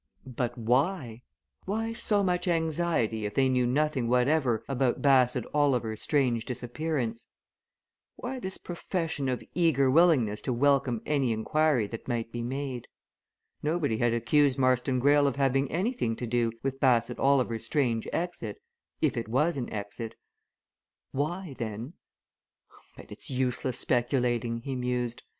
But why? why so much anxiety if they knew nothing whatever about Bassett Oliver's strange disappearance? "Why this profession of eager willingness to welcome any inquiry that might be made? Nobody had accused Marston Greyle of having anything to do with Bassett Oliver's strange exit if it was an exit why, then "But it's useless speculating," he mused.